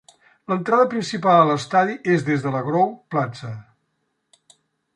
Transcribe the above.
L'entrada principal a l'estadi és des de la Grove Plaza.